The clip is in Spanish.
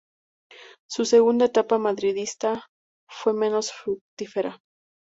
Su segunda etapa madridista fue menos fructífera.